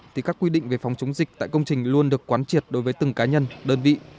thì các quy định về phòng chống dịch tại công trình luôn được quán triệt đối với từng cá nhân đơn vị